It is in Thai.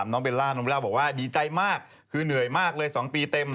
เบลล่าน้องเล่าบอกว่าดีใจมากคือเหนื่อยมากเลย๒ปีเต็ม